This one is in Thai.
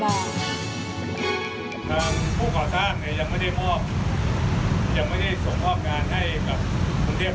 ผู้ก่อสร้างยังไม่ได้มอบ